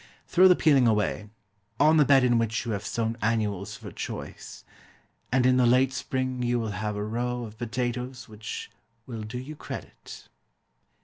Throw the peeling away on the bed in which you have sown annuals for choice and in the late Spring you will have a row of potatoes which will do you credit.